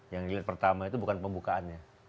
yang jilid pertama itu bukan pembukaannya